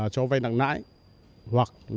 cho vai nặng lãi hoặc